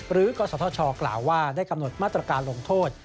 กศธชกล่าวว่าได้กำหนดมาตรการลงโทษ